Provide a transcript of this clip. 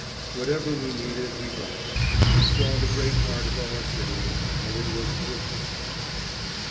Whatever we needed we got. We saw the great heart of our city, and it was good to see.